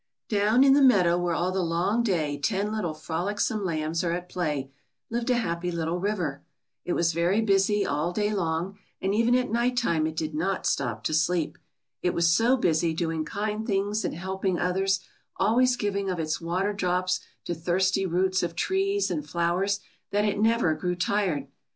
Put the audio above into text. Down in "the meadow where all the long day ten little frolicsome lambs are at play," lived a happy little river. It was very busy all day long, and even at nighttime it did not stop to sleep. It was so busy doing kind things and helping others, always giving of its water drops to thirsty roots of trees and flowers, that it never grew tired.